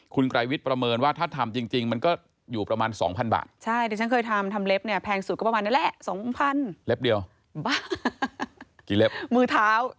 คุณไกรวิทย์ประเมินว่าถ้าทำจริงมันก็อยู่ประมาณ๒๐๐บาท